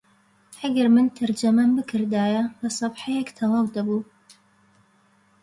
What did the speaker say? ئەگەر من تەرجەمەم بکردایە بە سەفحەیەک تەواو دەبوو